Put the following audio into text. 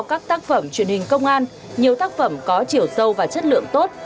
các tác phẩm truyền hình công an nhiều tác phẩm có chiều sâu và chất lượng tốt